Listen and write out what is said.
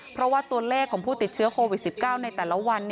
เพราะว่าผู้ติดเชื้อโควิด๑๙ในแต่ละวัน